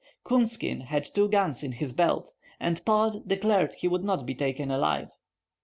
Coonskin had two guns in his belt, and Pod declared he would not be taken alive.